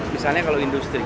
misalnya kalau industri